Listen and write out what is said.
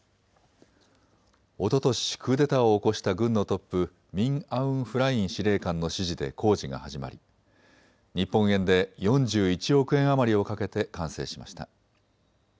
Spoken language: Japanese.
おととしクーデターを起こした軍のトップ、ミン・アウン・フライン司令官の指示で工事が始まり日本円で４１億円余りをかけて完成しました。